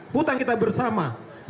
hutang kita bersama